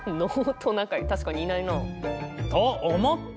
確かにいないな。と思ったら。